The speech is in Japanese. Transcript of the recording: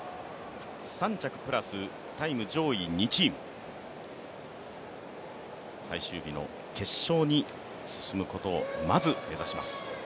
３着プラス、タイム上位２チーム、最終日の決勝に進むことをまず目指します。